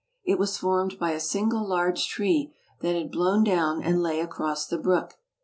It was formed by a single large tree that had blown down and lay across the brook.